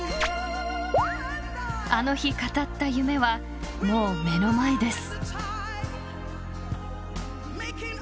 ［あの日語った夢はもう目の前です］